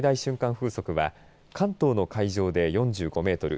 風速は関東の海上で４５メートル